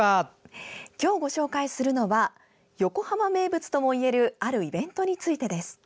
今日、ご紹介するのは横浜名物ともいえるあるイベントについてです。